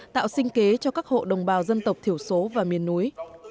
tạo sinh kế cho các hộ đồng bào dân tộc thiểu số và miền núi